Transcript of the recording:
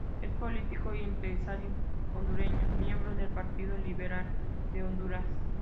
Es político y empresario hondureño, miembro del Partido Liberal de Honduras.